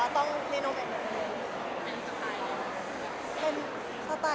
แต่เลยเหมือนกันว่า